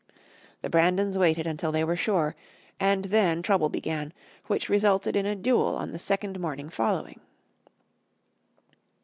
The Brandons waited until they were sure, and then trouble began, which resulted in a duel on the second morning following.